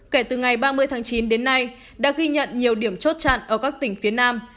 kể từ ngày ba mươi tháng chín đến nay đã ghi nhận nhiều điểm chốt chặn ở các tỉnh phía nam